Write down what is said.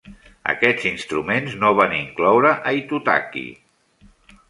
Aquest instruments no van incloure Aitutaki.